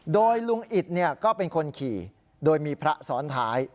โดยลุงอิตก็เป็นคนขี่โดยมีพระซ้อนท้าย